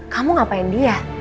kamu ngapain dia